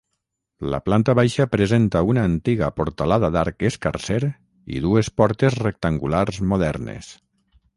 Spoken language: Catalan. La planta baixa presenta una antiga portalada d'arc escarser i dues portes rectangulars modernes.